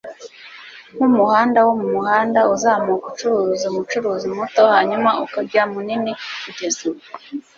nkumuhanda wo mumuhanda, uzamuka ucuruza umucuruzi muto, hanyuma ukajya munini. kugeza ubu